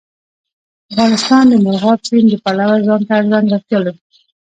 افغانستان د مورغاب سیند د پلوه ځانته ځانګړتیا لري.